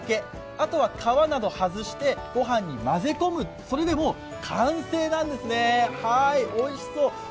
あとは皮など外してごはんに混ぜ込むそれでもう完成なんですね、おいしそう！